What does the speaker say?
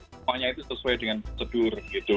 semuanya itu sesuai dengan prosedur